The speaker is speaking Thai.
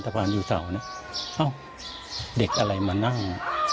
สะพานอยู่เสานะอ้าวเด็กอะไรมานั่ง